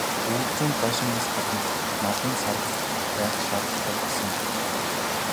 Өвөлжөөнд байшингаас гадна малын "саравч" барих шаардлагатай болсон юм.